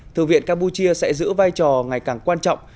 thượng viện campuchia sẽ giữ vai trò ngày càng quan trọng